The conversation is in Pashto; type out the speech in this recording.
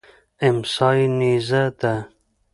امسا یې نیزه ده.